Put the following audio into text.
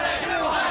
はい。